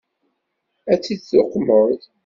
Ad tt-id-tuqmeḍ?